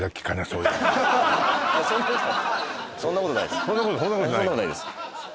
そんなことないです